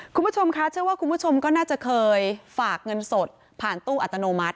คุณผู้ชมคะเชื่อว่าคุณผู้ชมก็น่าจะเคยฝากเงินสดผ่านตู้อัตโนมัติ